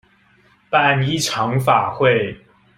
辦一場法會